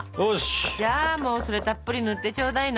じゃあもうそれたっぷり塗ってちょうだいな！